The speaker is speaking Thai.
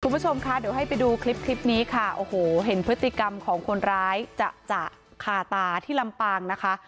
คุณผู้ชมคะเดี๋ยวให้ไปดูคลิปคลิปนี้ค่ะโอ้โหเห็นพฤติกรรมของคนร้ายจะจะคาตาที่ลำปางนะคะ